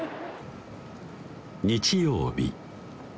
日曜日